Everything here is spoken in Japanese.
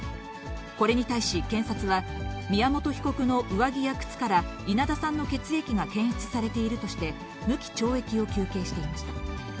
これに対し検察は、宮本被告の上着や靴から稲田さんの血液が検出されているとして、無期懲役を求刑していました。